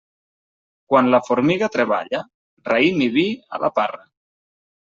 Quan la formiga treballa, raïm i vi a la parra.